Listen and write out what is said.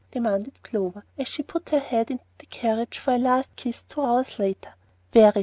demanded Clover, as she put her head into the carriage for a last kiss, two hours later. "Very!"